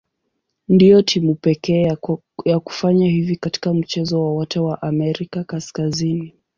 Ndio timu pekee ya kufanya hivi katika mchezo wowote wa Amerika Kaskazini.